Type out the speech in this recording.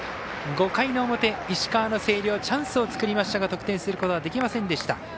５回の表、石川の星稜チャンスを作りましたが得点することができませんでした。